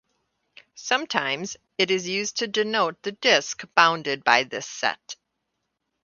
Sometimes, it is used to denote the disk bounded by this set.